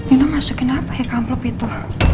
itu masukin apa ya amplop itu